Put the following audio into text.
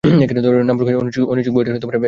নাম প্রকাশে অনিচ্ছুকবুয়েটের একজন শিক্ষার্থী।